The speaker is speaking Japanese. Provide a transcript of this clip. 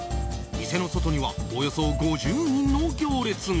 店の外にはおよそ５０人の行列が。